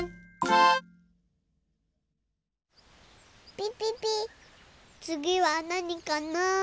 ピピピつぎはなにかな。